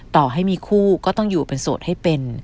ต่อให้มีคู่ก็ต้องอยู่เป็นโสดให้เป็น